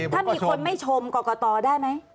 ถ้ามีคนไม่ชมค่ะก่อพอดีไหม